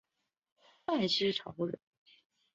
范希朝人。